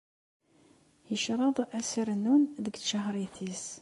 Yecreḍ ad s-rnun deg tcehrit-is.